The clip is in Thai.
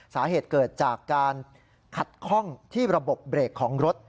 สาเหตุเกิดจากการขัดข้องที่ระบบเบรกของรถ